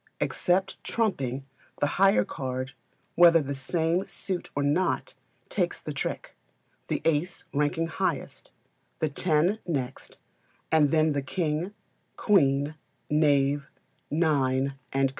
Except trumping, the higher card, whether of the same suit or not, takes the trick the ace ranking highest, the ten next, and then the king, queen, knave, nine, &c.